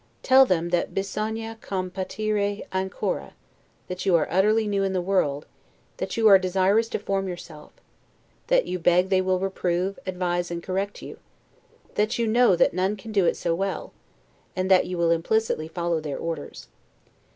Tell them, that 'bisogna compatire ancora', that you are utterly new in the world; that you are desirous to form yourself; that you beg they will reprove, advise, and correct you; that you know that none can do it so well; and that you will implicitly follow their directions.